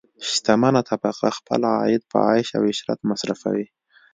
شتمنه طبقه خپل عاید په عیش او عشرت مصرفوي.